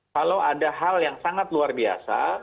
kalau ada hal yang sangat luar biasa